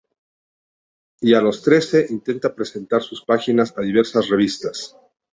Ya a los trece, intenta presentar sus páginas a diversas revistas.